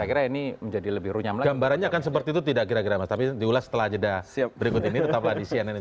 saya kira ini menjadi lebih runyam lagi